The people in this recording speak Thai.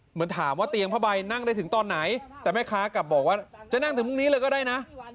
เหมือนถามว่าเตียงผ้าใบนั่งได้ถึงตอนไหนแต่แม่ค้ากลับบอกว่าจะนั่งถึงพรุ่งนี้เลยก็ได้นะ